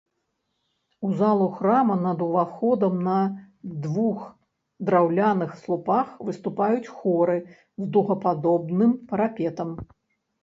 У залу храма над уваходам на двух драўляных слупах выступаюць хоры з дугападобным парапетам.